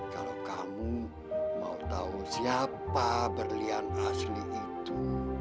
kalau kamu mau tahu siapa berlian asli itu